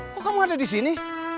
kok kamu ada disini